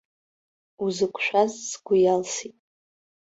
Узықәшәаз сгәы иалсит.